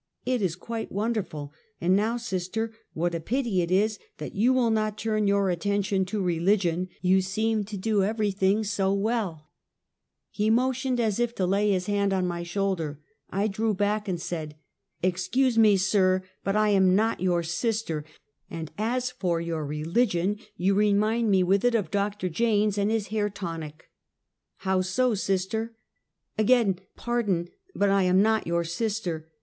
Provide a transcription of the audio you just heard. It is quite wonderful, and now, sister, what a pity it is that you will not turn your attention to religion. You seem to do everything so well." Wateks Gkow Deep. 81 He motioned as if to lay liis hand on my shoulder. I drew back and said: "Excuse me, sir, but I am not your sister; and as for your religion you remind me with it of Doctor Jaynes and his hair tonic." " How so, sister?" " Again pardon, but I am not your sister.